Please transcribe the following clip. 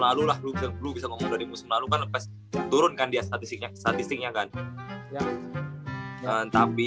lalu lah lu bisa ngomong dari musim lalu kan turunkan dia statistiknya statistiknya kan tapi